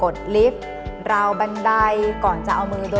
ที่แบบนี้